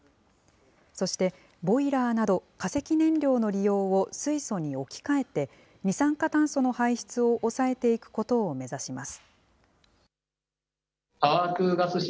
そして、ボイラーなど化石燃料の利用を水素に置き換えて、二酸化炭素の排出を抑えていくことを目指します。